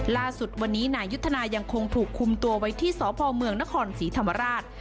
ล่าสุดวันนี้นายยุทธนายังคงถูกคุมตัวไว้ที่สพเมืองนครศรีธรรมราช